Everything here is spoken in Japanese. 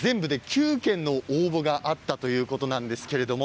全部で９件の応募があったということです。